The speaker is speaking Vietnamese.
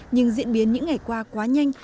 nhưng diễn biến những ngày qua quá nhanh